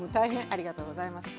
ありがとうございます。